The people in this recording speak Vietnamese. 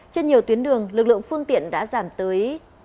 trên nhiều tuyến đường lực lượng phương tiện đã giảm tới chín mươi